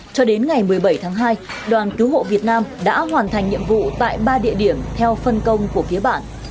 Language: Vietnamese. cho đến ngày một mươi bảy tháng hai đoàn cứu hộ việt nam đã hoàn thành nhiệm vụ tại ba địa điểm theo phân công của phía bạn